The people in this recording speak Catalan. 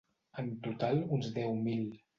En total, uns deu mil.